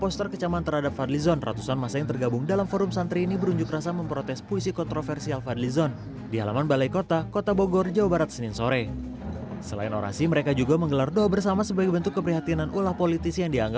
sampai jumpa di video selanjutnya